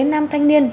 nam thanh niên